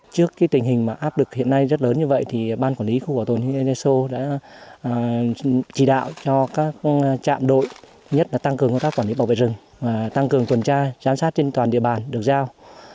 trước tình hình mà áp lực hiện nay rất lớn như vậy thì ban quản lý khu bảo tồn thiên nhiên easo đã chỉ đạo cho các trạm đội nhất là tăng cường công tác quản lý bảo vệ rừng tăng cường tuần tra giám sát trên toàn địa bàn được giao